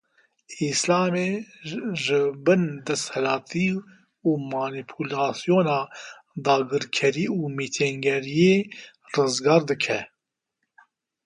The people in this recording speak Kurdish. Îslamê ji bin desthilatî û manîpulasyona dagirkerî û mêtingeriyê rizgar dike